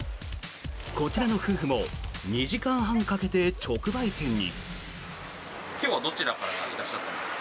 こちらの夫婦も２時間半かけて直売店に。